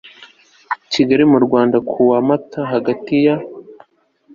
kigali mu rwanda ku wa mata hagati ya